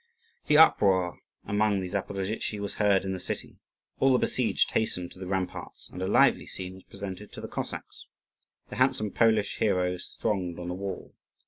The uproar among the Zaporozhtzi was heard in the city. All the besieged hastened to the ramparts, and a lively scene was presented to the Cossacks. The handsome Polish heroes thronged on the wall.